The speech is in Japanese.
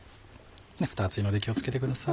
ふた熱いので気を付けてください。